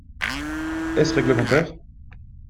Est-ce réglementaire?